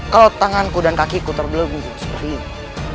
kalau tanganku dan kakiku terbelunggu seperti ini